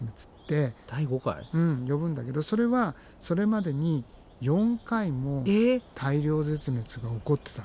うん呼ぶんだけどそれはそれまでに４回も大量絶滅が起こってたんだよね。